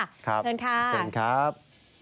ครับเชิญค่ะเชิญครับ